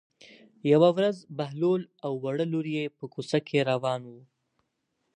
یوه ورځ بهلول او وړه لور یې په کوڅه کې روان وو.